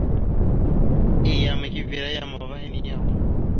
Ayyam eke evere a yam ava henne yaw ?